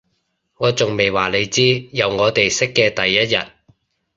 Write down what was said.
我仲未話你知，由我哋識嘅第一日